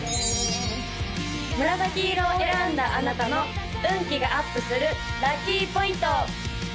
紫色を選んだあなたの運気がアップするラッキーポイント！